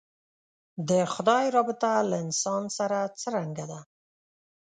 د خدای رابطه له انسان سره څرنګه ده.